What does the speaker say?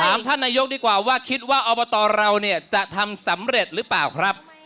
ท่านนายกดีกว่าว่าคิดว่าอบตเราเนี่ยจะทำสำเร็จหรือเปล่าครับ